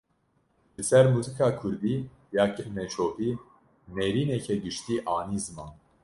Li ser muzika Kurdî ya kevneşopî, nêrîneke giştî anî ziman